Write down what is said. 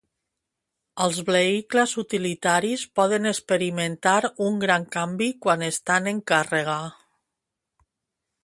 Els vehicles utilitaris poden experimentar un gran canvi quan estan en càrrega.